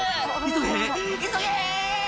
「急げ急げ！」